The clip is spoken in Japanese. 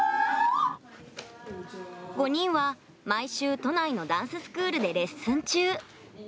５人は毎週、都内のダンススクールでレッスン中。